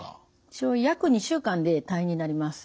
一応約２週間で退院になります。